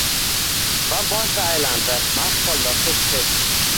Va boshi aylandi – mast qildi xush hid